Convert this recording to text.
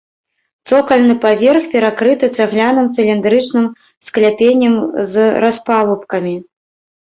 Цокальны паверх перакрыты цагляным цыліндрычным скляпеннем з распалубкамі.